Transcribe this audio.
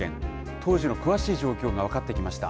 当時の詳しい状況が分かってきました。